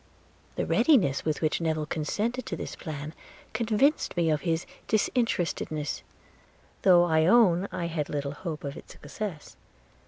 The readiness with which Newill consented to this plan, convinced me of his disinterestedness; though I own I had little hope of its success.